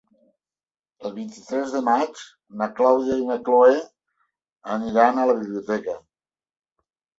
El vint-i-tres de maig na Clàudia i na Cloè aniran a la biblioteca.